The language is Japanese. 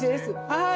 はい。